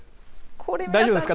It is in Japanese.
大丈夫ですか？